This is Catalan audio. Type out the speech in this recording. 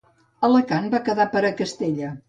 Alacant va quedar per a Castella.